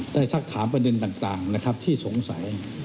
สักถามประเด็นต่างนะครับที่สงสัย